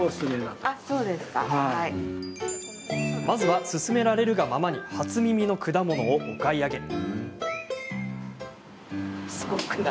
まずは、勧められるがままに初耳の果物をお買い上げ。